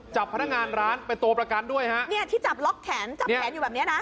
จับพนักงานร้านเป็นตัวประกันด้วยฮะเนี่ยที่จับล็อกแขนจับแขนอยู่แบบเนี้ยนะ